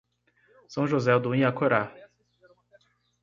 São José do Inhacorá